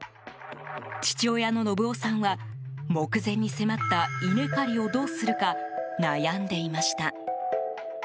父親の信夫さんは目前に迫った稲刈りをどうするか悩んでいました。